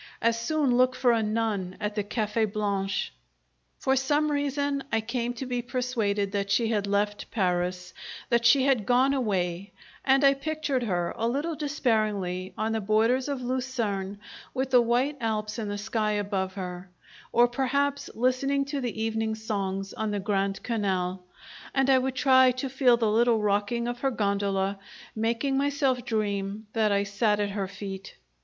As soon look for a nun at the Cafe' Blanche! For some reason I came to be persuaded that she had left Paris, that she had gone away; and I pictured her a little despairingly on the borders of Lucerne, with the white Alps in the sky above her, or perhaps listening to the evening songs on the Grand Canal, and I would try to feel the little rocking of her gondola, making myself dream that I sat at her feet.